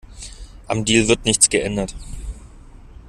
Am Deal wird nichts geändert.